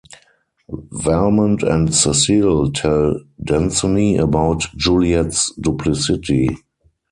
Valmont and Cecile tell Danceny about Juliette's duplicity.